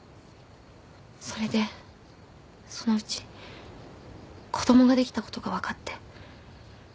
それでそのうち子供ができたことが分かって。